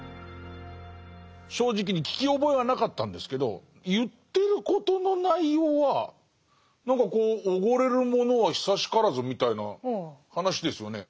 正直に聞き覚えはなかったんですけど言ってることの内容は何かこう「おごれるものは久しからず」みたいな話ですよね。